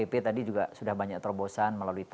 lkpp tadi juga sudah banyak terobosan melalui tpp